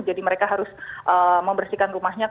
jadi mereka harus membersihkan rumahnya